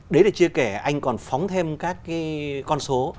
đấy để chia kẻ anh còn phóng thêm các cái con số